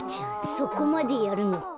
そこまでやるのか。